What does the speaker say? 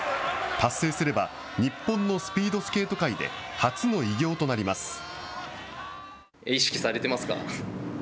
達成すれば日本のスピードスケート界で初の偉業となります。